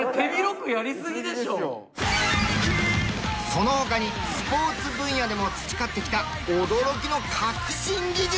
その他にスポーツ分野でも培ってきた驚きの革新技術が！